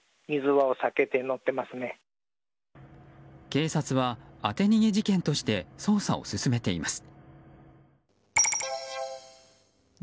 警察は当て逃げ事件として捜査を進めています。